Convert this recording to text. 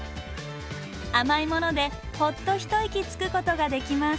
甘いものでほっと一息つくことができます。